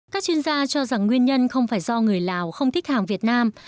các chuyên gia cho rằng nguyên nhân không phải do người lào không thích hàng việt nam